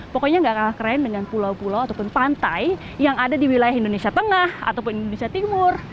pokoknya gak kalah keren dengan pulau pulau ataupun pantai yang ada di wilayah indonesia tengah ataupun indonesia timur